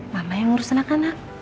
mama yang urus anak anak